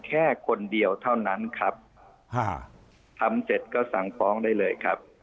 แค่คนเดียวเท่านั้นครับทำเสร็จก็สั่งฟ้องได้เลยครับ